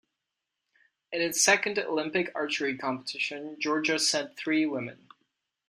In its second Olympic archery competition, Georgia sent three women.